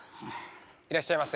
いらっしゃいませ。